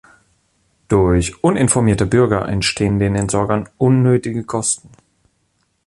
Durch uninformierte Bürger entstehen den Entsorgern unnötige Kosten.